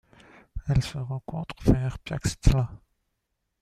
Elle se rencontre vers Piaxtla.